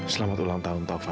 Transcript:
selamat ulang tahun taufan